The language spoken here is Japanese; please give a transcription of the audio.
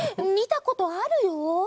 みたことあるよ。